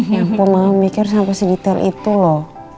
ya ampun mama mikir sama si detail itu loh